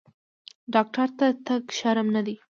ډاکټر ته تګ شرم نه دی۔